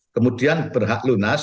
kemudian berhak lunas